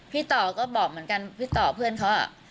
ต่อก็บอกเหมือนกันพี่ต่อเพื่อนเขา